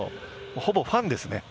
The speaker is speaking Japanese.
ほぼファンですね。